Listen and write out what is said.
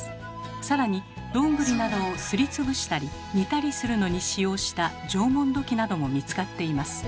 さらにどんぐりなどをすり潰したり煮たりするのに使用した縄文土器なども見つかっています。